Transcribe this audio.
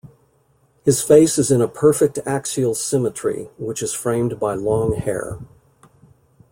His face is in a perfect axial symmetry which is framed by long hair.